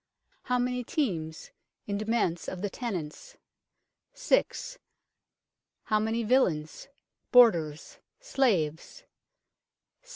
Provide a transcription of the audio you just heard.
How many teams in demesne of the tenants ? 6. How many villeins bordars slaves ? 7.